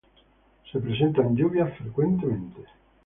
Se presentan lluvias frecuentemente.